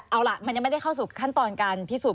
เอาล่ะมันยังไม่ได้เข้าสู่ขั้นตอนการพิสูจน